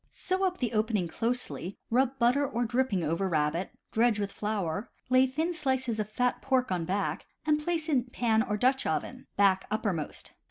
Sew up the opening closely; rub butter or dripping over rabbit, dredge with flour, lay thin slices of fat pork on back, and place it in pan or Dutch oven, back uppermost.